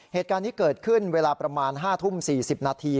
เหตุการณ์นี้เกิดขึ้นเวลาประมาณ๕ทุ่ม๔๐นาที